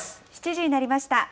７時になりました。